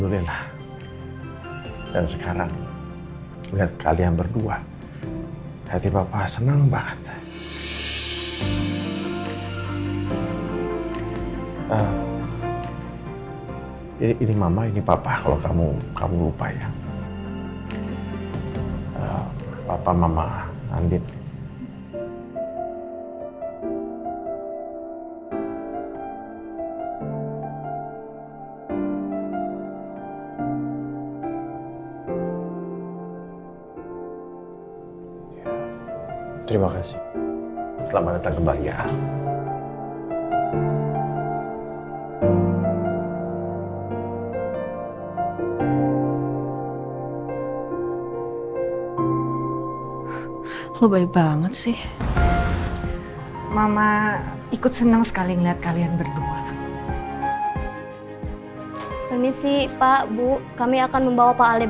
lagi dengan ada sikit masalah